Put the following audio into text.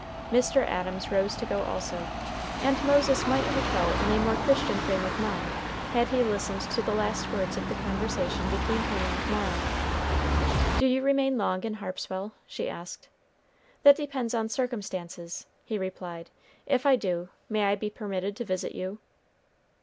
Mr. Adams rose to go also, and Moses might have felt in a more Christian frame of mind, had he listened to the last words of the conversation between him and Mara. "Do you remain long in Harpswell?" she asked. "That depends on circumstances," he replied. "If I do, may I be permitted to visit you?"